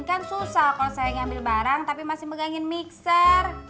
kan susah kalau saya ngambil barang tapi masih megangin mixer